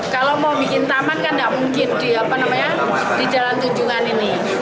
kalau mau bikin taman kan tidak mungkin di jalan tunjungan ini